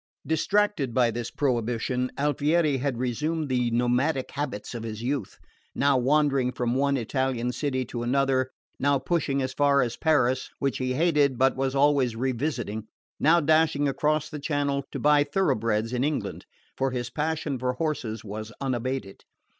Distracted by this prohibition, Alfieri had resumed the nomadic habits of his youth, now wandering from one Italian city to another, now pushing as far as Paris, which he hated but was always revisiting, now dashing across the Channel to buy thoroughbreds in England for his passion for horses was unabated.